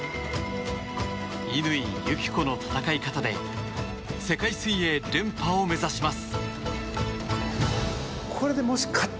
乾友紀子の戦い方で世界水泳連覇を目指します。